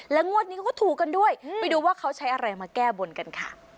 งวดนี้เขาก็ถูกกันด้วยไปดูว่าเขาใช้อะไรมาแก้บนกันค่ะ